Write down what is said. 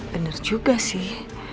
bener juga sih